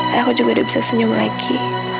ayahku juga sudah bisa senyum lagi